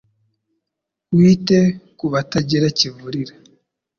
wite ku batagira kivurira